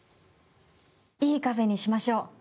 いいカフェにしましょう。